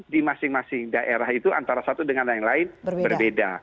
di masing masing daerah itu antara satu dengan yang lain berbeda